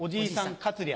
カツリャ。